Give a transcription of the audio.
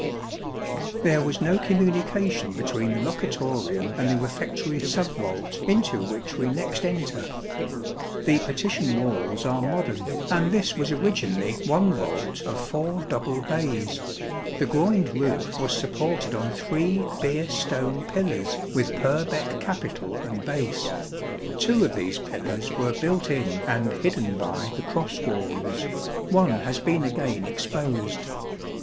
There was no communication between the locutorium and the refectory sub vault into which we next enter. The partition walls are modern, and this was originally one vault of four double bays. The groined roof was supported on three Beer stone pillars with Purbeck capital and base. Two of these pillars were built in and hidden by the cross walls; one has been again exposed.